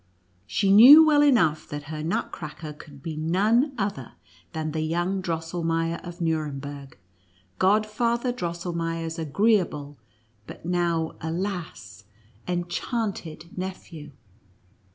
She knew well enough that her Nutcracker could be none other than the young Drosselmeier of Nuremberg — Godfather Drosselmeier's agree able, but now, alas ! enchanted, nephew.